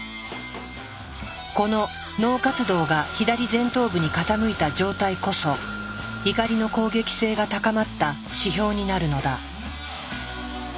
この脳活動が左前頭部に傾いた状態こそ怒りの攻撃性が高まった指標になるのだ。